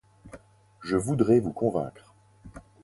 Je voudrais vous convaincre.